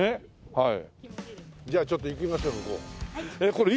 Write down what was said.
はい。